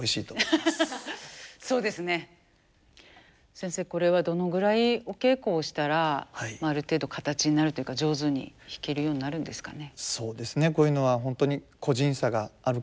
先生これはどのぐらいお稽古をしたらある程度形になるというか上手に弾けるようになるんですかね。